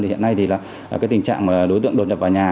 hiện nay thì là cái tình trạng đối tượng đột nhập vào nhà